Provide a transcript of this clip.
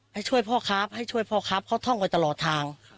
ให้ช่วยพ่อครับให้ช่วยพ่อครับเขาท่องไว้ตลอดทาง